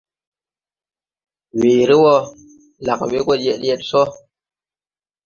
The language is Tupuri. Weere wɔ, lag we go yeg yeg sɔ.